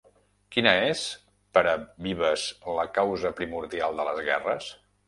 Quina és per a Vives la causa primordial de les guerres?